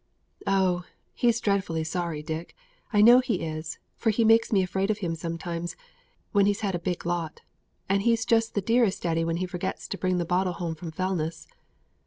"Oh! He's dreadfully sorry, Dick, I know He is, for He makes me afraid of him sometimes, when he's had a big lot; and he's just the dearest daddy when he forgets to bring the bottle home from Fellness."